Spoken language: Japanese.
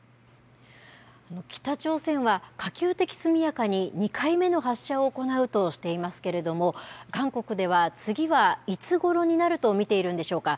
北朝鮮は可及的速やかに２回目の発射を行うとしていますけれども、韓国では次はいつごろになると見ているんでしょうか。